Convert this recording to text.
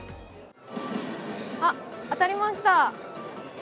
あ、当たりました。